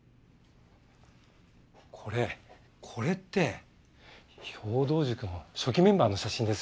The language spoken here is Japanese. これこれって兵藤塾の初期メンバーの写真ですよね？